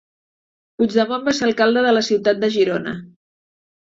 Puigdemont va ser alcalde de la ciutat de Girona.